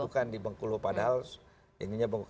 bukan di bengkulu padahal